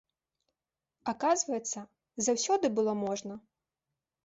Аказваецца, заўсёды было можна!